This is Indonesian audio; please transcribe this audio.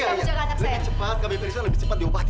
lebih cepat kami periksa lebih cepat diupati